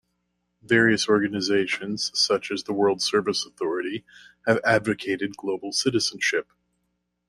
Various organizations, such as the World Service Authority, have advocated global citizenship.